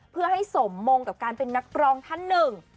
เพื่อให้สมมงกับการเป็นนักร้องท่านหนึ่ง